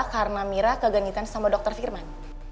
karena mira kegenitan sama dokter firman